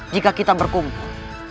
jika kita berkumpul